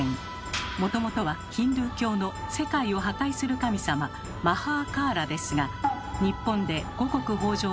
もともとはヒンドゥー教の世界を破壊する神様マハーカーラですが絞りすぎでしょ。